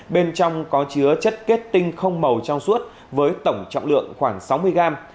bên trong có chứa chất kết tinh không màu trong suốt với tổng trọng lượng khoảng sáu mươi gram